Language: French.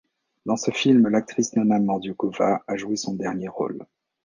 Dans ce film l'actrice Nonna Mordioukova a joué son dernier rôle.